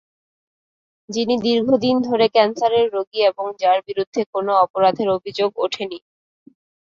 যিনি দীর্ঘদিন ধরে ক্যানসারের রোগী এবং যাঁর বিরুদ্ধে কোনো অপরাধের অভিযোগ ওঠেনি।